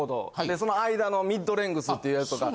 でその間のミッドレングスっていうやつとか。